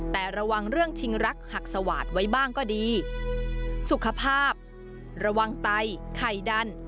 แต่ระวังเรื่องชิงรักหักสวาดไว้บ้างก็ดีสุขภาพระวังไตไข่ดัน